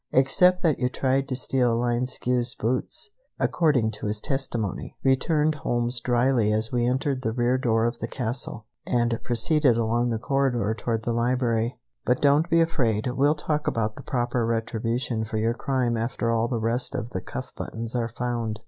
"Except that you tried to steal Linescu's boots, according to his testimony," returned Holmes dryly just as we entered the rear door of the castle, and proceeded along the corridor toward the library. "But don't be afraid. We'll talk about the proper retribution for your crime after all the rest of the cuff buttons are found.